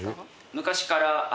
昔から何？